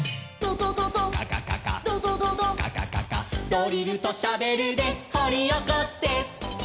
「ドリルとシャベルでほりおこせ」